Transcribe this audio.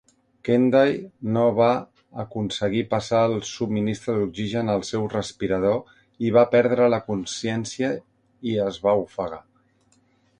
Kendall no va aconseguir passar el subministre d'oxigen al seu respirador i va perdre la consciència i es va ofegar.